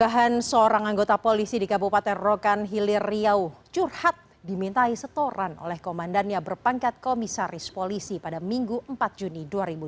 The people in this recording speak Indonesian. kegahan seorang anggota polisi di kabupaten rokan hilir riau curhat dimintai setoran oleh komandannya berpangkat komisaris polisi pada minggu empat juni dua ribu dua puluh